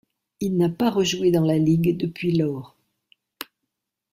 Il n'a pas rejoué dans la ligue depuis lors.